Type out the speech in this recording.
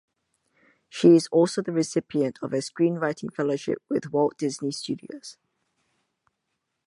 She is also the recipient of a Screenwriting Fellowship with Walt Disney Studios.